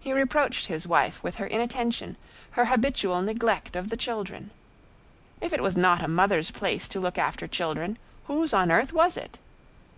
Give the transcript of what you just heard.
He reproached his wife with her inattention, her habitual neglect of the children. If it was not a mother's place to look after children, whose on earth was it?